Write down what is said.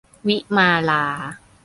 วิมาลา